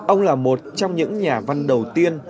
ông là một trong những nhà văn đầu tiên